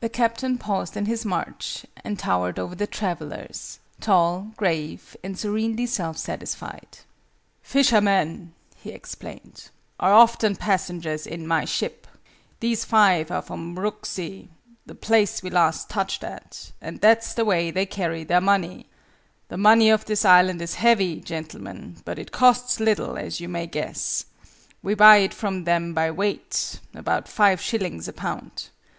The Captain paused in his march, and towered over the travellers tall, grave, and serenely self satisfied. "Fishermen," he explained, "are often passengers in My ship. These five are from Mhruxi the place we last touched at and that's the way they carry their money. The money of this island is heavy, gentlemen, but it costs little, as you may guess. We buy it from them by weight about five shillings a pound.